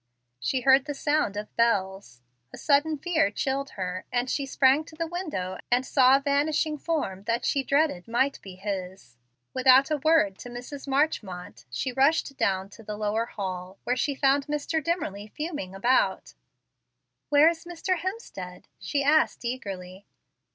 She heard the sound of bells. A sudden fear chilled her, and she sprang to the window and saw a vanishing form that she dreaded might be his. Without a word to Mrs. Marchmont, she rushed down to the lower hall, where she found Mr. Dimmerly fuming about. "Where is Mr. Hemstead?" she asked, eagerly.